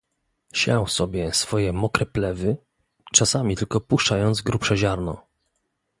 "Siał sobie swoje mokre plewy, czasami tylko puszczając grubsze ziarno."